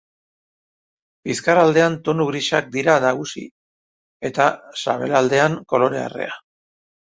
Bizkarraldean tonu grisak dira nagusi, eta sabelaldean kolore arrea.